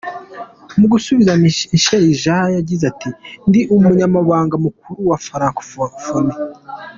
Mu gusubiza, Michaëlle Jean yagize ati “Ndi Umunyamabanga Mukuru wa Francophonie.